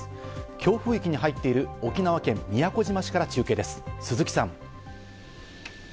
強風域に入っている沖縄県宮古島市から中継です、鈴木さん。